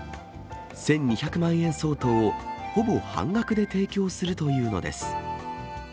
１２００万円相当を、ほぼ半額で提供するというのです。